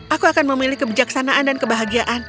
aku akan memilih kebijaksanaan dan kebahagiaan